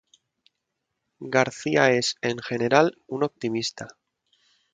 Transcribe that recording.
Garcia es, en general, un optimista.